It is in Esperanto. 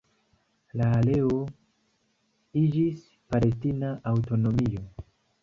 La areo iĝis palestina aŭtonomio.